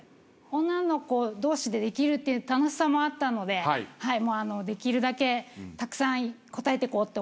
女の子同士でできるっていう楽しさもあったのでできるだけたくさん答えてこうって思いました。